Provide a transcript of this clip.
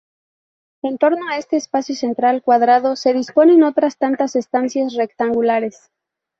En torno a este espacio central cuadrado se disponen otras tantas estancias rectangulares.